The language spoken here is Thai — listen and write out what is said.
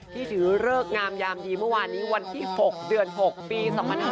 ถือเลิกงามยามดีเมื่อวานนี้วันที่๖เดือน๖ปี๒๕๕๙